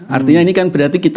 artinya ini kan berarti kita